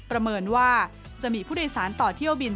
ประเมินว่าจะมีผู้โดยสารต่อเที่ยวบิน